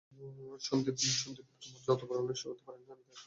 সন্দীপও তোমার যতবড়ো অনিষ্ট করতে পারে নি আমি তাই করলুম!